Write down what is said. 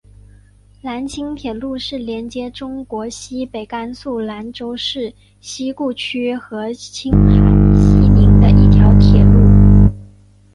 兰青铁路是连接中国西北甘肃兰州市西固区和青海西宁的一条铁路。